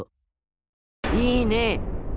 いいね？